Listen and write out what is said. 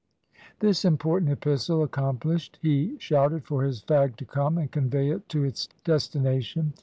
This important epistle accomplished, he shouted for his fag to come and convey it to its destination.